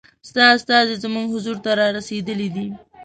ستا استازی زموږ حضور ته را رسېدلی دی.